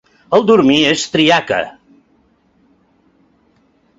El dormir és triaca.